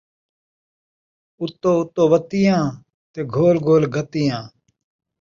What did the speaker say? اُتو اُتو وتی آں تے گھول گھول گھتی آں